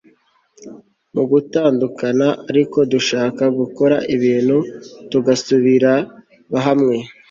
mu gutandukana ariko dushaka gukora ibintu tugasubira hamwe